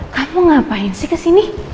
kamu ngapain sih kesini